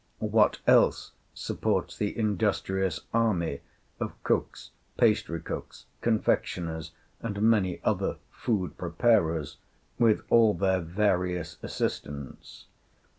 What else supports the industrious army of cooks, pastry cooks, confectioners, and many other food preparers, with all their various assistants?